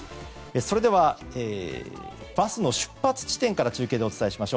それでは、バスの出発地点から中継でお伝えします。